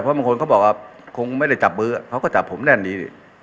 เพราะบางคนเขาบอกว่าคงไม่ได้จับมือเขาก็จับผมแน่นนี้ดิ